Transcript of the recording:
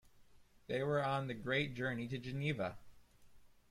They were on the great journey to Geneva.